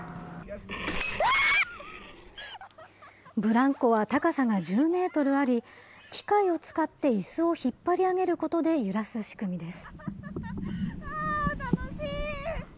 ブランコは高さが１０メートルあり、機械を使っていすを引っ張り上げることで揺らす仕組みです。